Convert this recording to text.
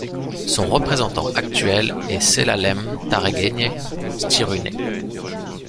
Son représentant actuel est Zelalem Tarekegne Tiruneh.